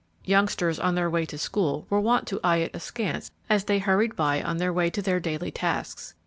Youngsters on their way to school were wont to eye it askance as they hurried by on their way to their daily tasks.